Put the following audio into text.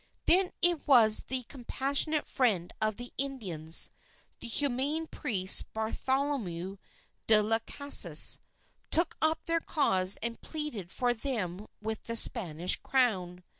Then it was that the compassionate friend of the Indians, the humane priest Bartolome de Las Casas, took up their cause and pleaded for them with the Spanish Crown.